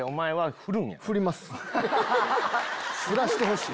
ふらしてほしい。